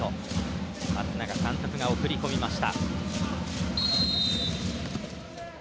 松永監督が送り込みました。